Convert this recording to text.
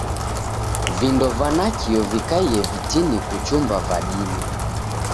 Vindo va nakio vikaie vitini kuchumba va dime.